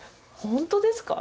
「本当ですか？」